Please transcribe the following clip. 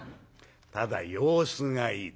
ただ様子がいいと。